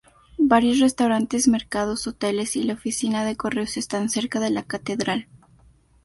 Varios restaurantes, mercados, hoteles y la oficina de correos están cerca de la catedral.